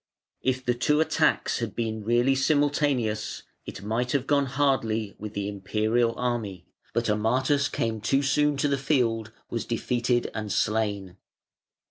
If the two attacks had been really simultaneous, it might have gone hardly with the Imperial army; but Ammatas came too soon to the field, was defeated and slain.